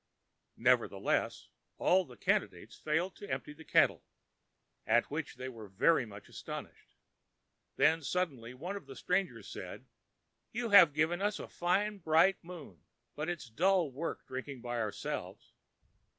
Nevertheless, all the candidates failed to empty the kettle, at which they were very much astonished, when suddenly one of the strangers said, ãYou have given us a fine bright moon; but itãs dull work drinking by ourselves.